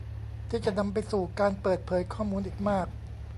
ที่จะนำไปสู่การเปิดเผยข้อมูลอีกมาก